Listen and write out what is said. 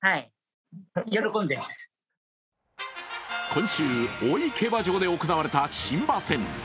今週、大井競馬場で行われた新馬戦。